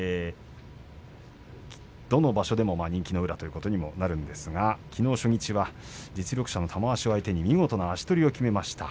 どんな場所でも人気の宇良ということですがきのう初日は実力者の玉鷲相手に見事な足取りを決めました。